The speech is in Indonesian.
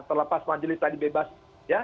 terlepas majelis tadi bebas ya